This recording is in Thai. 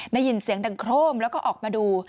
ได้ยินเสียงดังโครมแล้วก็ออกมาดู